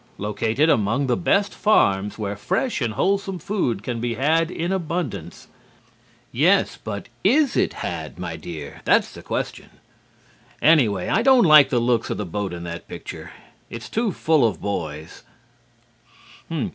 Located among the best farms where fresh and wholesome food can be had in abundance' yes but is it had, my dear? That's the question. Anyway, I don't like the looks of the boat in the picture. It's too full of boys."